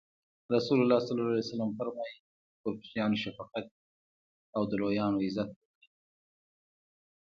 رسول الله ص فرمایي: چی پر کوچنیانو شفقت او او د لویانو عزت وکړي.